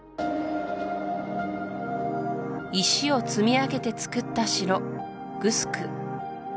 石を積み上げて造った城グスク